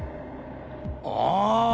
ああ！